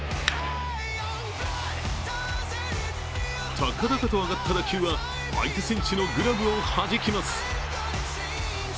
高々と上がった打球は相手選手のグラブをはじきます。